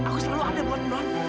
aku selalu ada buat non